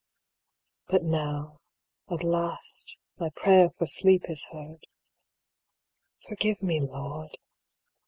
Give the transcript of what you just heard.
But now, at last, my prayer for sleep is heard : Forgive me. Lord